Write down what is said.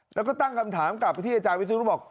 แล้วก็ตั้งคำถามกลับไปที่อาจารย์วิศนุบอก